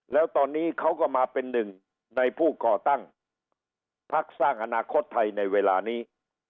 แล้วตอนนี้เขาก็มาเป็นหนึ่งในผู้ก่อตั้งพักสร้างอนาคตไทยในเวลานี้